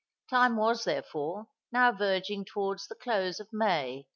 Time was, therefore, now verging towards the close of May, 1841.